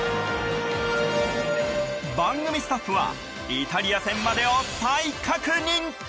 番組スタッフはイタリア戦までを再確認。